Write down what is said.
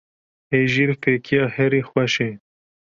Hejîr fêkiya herî xweş e.